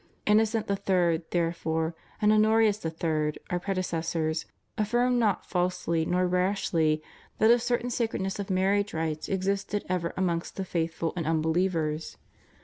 Innocent III., there fore, and Honorius III., our predecessors, affirmed not falsely nor rashly that a certain sacredness of marriage rites existed ever amongst the faithful and unbelievers.